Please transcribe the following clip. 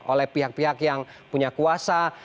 oleh pihak pihak yang punya kuasa